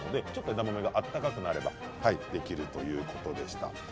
枝豆が温かくなればできるということでした。